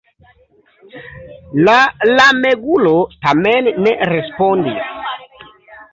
La lamegulo tamen ne respondis.